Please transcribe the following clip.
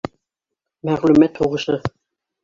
Мәғлүмәт һуғышы